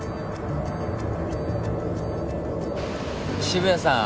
渋谷さん